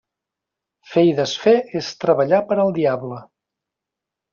Fer i desfer és treballar per al diable.